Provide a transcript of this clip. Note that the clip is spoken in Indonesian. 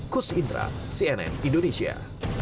kus indra cnn indonesia